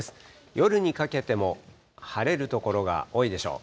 夜にかけても晴れる所が多いでしょう。